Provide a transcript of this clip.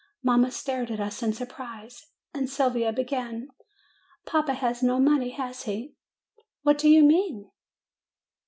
Mamma stared at us in surprise, and Sylvia began: 'Papa has no money, has he?" 'What do you mean?